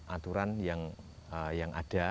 aturan yang ada